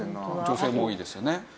女性も多いですよね。